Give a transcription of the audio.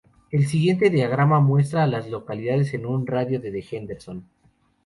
El siguiente diagrama muestra a las localidades en un radio de de Henderson.